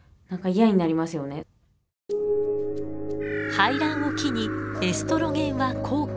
排卵を機にエストロゲンは降下。